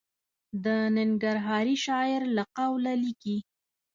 د ننګرهاري شاعر له قوله لیکي.